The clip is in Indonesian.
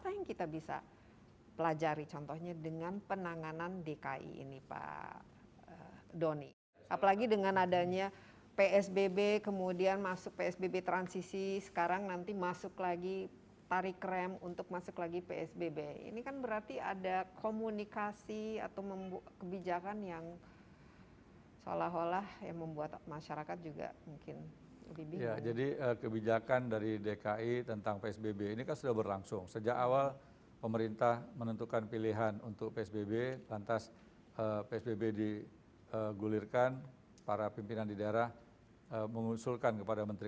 yaitu dengan melakukan perubahan perilaku